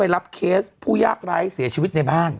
รับเคสผู้ยากไร้เสียชีวิตในบ้าน